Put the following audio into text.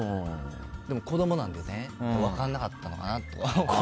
でも、子供なんで分からなかったのかなとか。